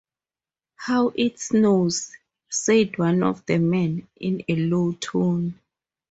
‘How it snows!’ said one of the men, in a low tone.